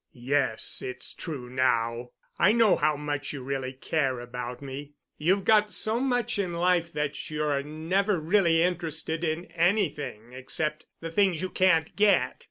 "Yes, it's true now. I know how much you really care about me. You've got so much in life that you're never really interested in anything except the things you can't get.